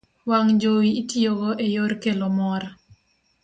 wang' jowi itiyogo e yor kelo mor.